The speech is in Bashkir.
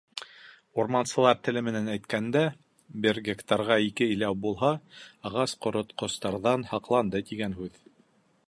Урмансылар теле менән әйткәндә бер гектарға ике иләү булһа, ағас ҡоротҡостарҙан һаҡланды тигән һүҙ.